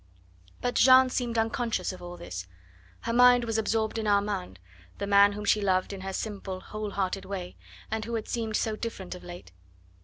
But Jeanne seemed unconscious of all this. Her mind was absorbed in Armand, the man whom she loved in her simple, whole hearted way, and who had seemed so different of late.